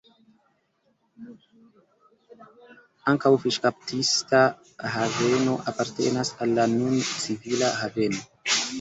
Ankaŭ fiŝkaptista haveno apartenas al la nun civila haveno.